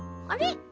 あれ？